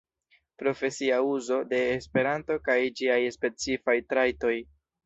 Profesia uzo de Esperanto kaj ĝiaj specifaj trajtoj.